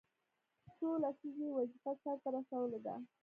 څو لسیزې یې وظیفه سرته رسولې ده.